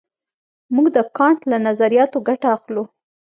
موږ د کانټ له نظریاتو ګټه اخلو.